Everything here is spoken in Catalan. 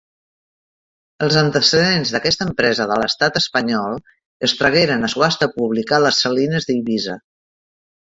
Els antecedents d'aquesta empresa de l'Estat espanyol, es tragueren a subhasta pública les salines d'Eivissa.